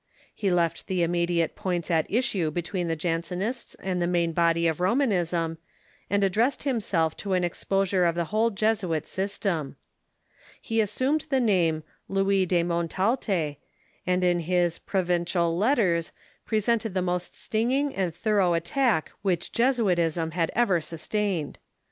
He left the immediate points at issue be tween the Jansenists and the main body of Romanism, and addressed himself to an exposure of the whole Jesuit system. He assumed the name Louis de Montalte, and in his " Pro vincial Letters " presented the most stinging and thorough at tack which Jesuitism has ever sustained.